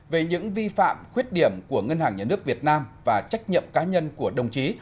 về những vi phạm khuyết điểm của ngân hàng nhà nước việt nam và trách nhiệm cá nhân của đồng chí